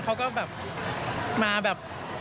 เขาก็แบบมาแบบ